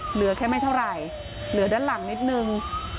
เหลือแค่ไม่เท่าไหร่เหลือด้านหลังนิดนึง